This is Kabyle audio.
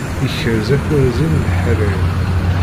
Iṛkez akwerzi n leḥrir.